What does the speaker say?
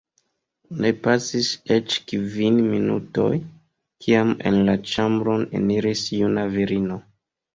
Ne pasis eĉ kvin minutoj, kiam en la ĉambron eniris juna virino.